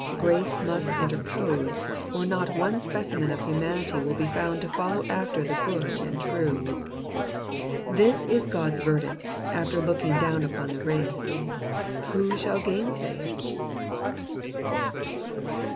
Grace must interpose, or not one specimen of humanity will be found to follow after the good and true. This is God's verdict after looking down upon the race. Who shall gainsay it